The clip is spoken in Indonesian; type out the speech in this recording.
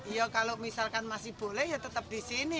ya kalau misalkan masih boleh ya tetap di sini